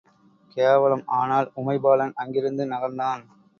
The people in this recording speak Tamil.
கேவலம்! ஆனால் உமைபாலன் அங்கிருந்து நகர்ந்தான்.